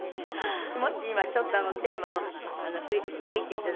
もし今ちょっとあのテーマを吹いて頂ける？